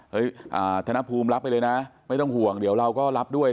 ธนภูมิรับไปเลยนะไม่ต้องห่วงเดี๋ยวเราก็รับด้วย